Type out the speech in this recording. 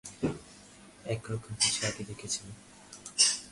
এরকম কিছু আগে দেখেছেন?